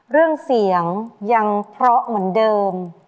เรื่องเสียงยังเพราะเหมือนเดิม